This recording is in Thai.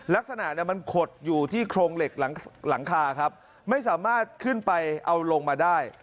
ลักษณะมันขดอยู่ที่โครงเหล็กหลังคาครับไม่สามารถขึ้นไปเอาลงมาได้